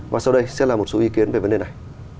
và sau đây sẽ là một số ý kiến về vấn đề này